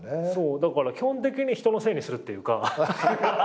だから基本的に人のせいにするっていうか。